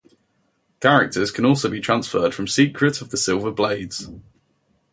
Characters can also be transferred from Secret of the Silver Blades.